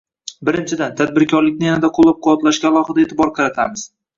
Birinchidan, tadbirkorlikni yanada qo‘llab- quvvatlashga alohida e’tibor qaratamiz.